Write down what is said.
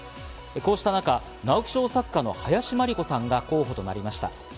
こうした中、直木賞作家の林真理子さんが候補となりました。